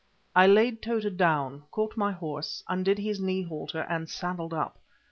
I laid Tota down, caught my horse, undid his knee halter, and saddled up.